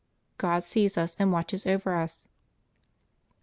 God sees us and watches over us.